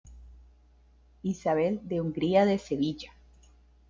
Isabel de Hungría de Sevilla.